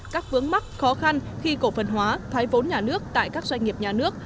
các vướng mắc khó khăn khi cổ phần hóa thoái vốn nhà nước tại các doanh nghiệp nhà nước